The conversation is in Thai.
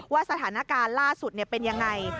ว่าสถานการณ์ล่าสุดเนี่ยเป็นยังไง